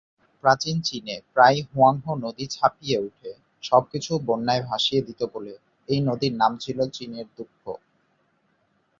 প্রাচীন চীনে প্রায়ই হুয়াংহো নদী ছাপিয়ে উঠে সবকিছু বন্যায় ভাসিয়ে দিত বলে এই নদীর নাম ছিল "চিনের দুঃখ"।